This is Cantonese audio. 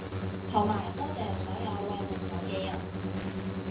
同埋多謝所有慰問我嘅人